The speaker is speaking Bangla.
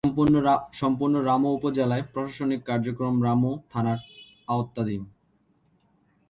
সম্পূর্ণ রামু উপজেলার প্রশাসনিক কার্যক্রম রামু থানার আওতাধীন।